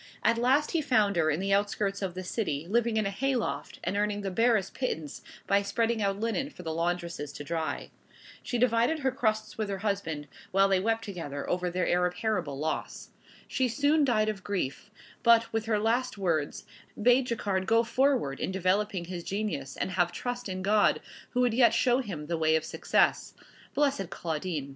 At last he found her in the outskirts of the city, living in a hay loft, and earning the barest pittance by spreading out linen for the laundresses to dry. She divided her crusts with her husband, while they wept together over their irreparable loss. She soon died of grief, but, with her last words, bade Jacquard go forward in developing his genius, and have trust in God, who would yet show him the way of success. Blessed Claudine!